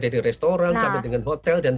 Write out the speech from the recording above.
dari restoran sampai dengan hotel dan